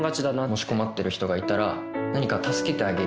もし困ってる人がいたら何か助けてあげるっていう。